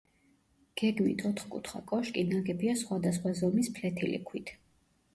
გეგმით ოთხკუთხა კოშკი ნაგებია სხვადასხვა ზომის ფლეთილი ქვით.